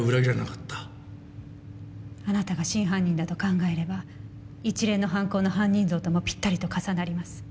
あなたが真犯人だと考えれば一連の犯行の犯人像ともぴったりと重なります。